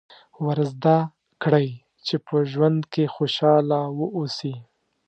ور زده کړئ چې په ژوند کې خوشاله واوسي.